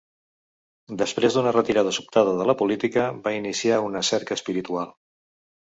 Després d'una retirada sobtada de la política, va iniciar una "cerca espiritual".